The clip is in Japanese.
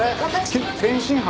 君天津飯？